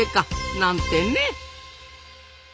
なんてね。